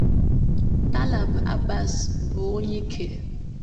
Talaab Abass bụ onye ike.